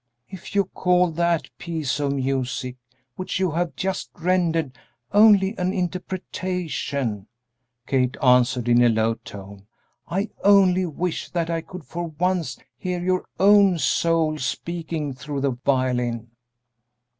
"If you call that piece of music which you have just rendered only an interpretation," Kate answered, in a low tone, "I only wish that I could for once hear your own soul speaking through the violin!"